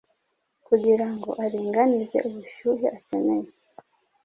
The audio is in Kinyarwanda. Kugirango aringanize ubushyuhe akeneye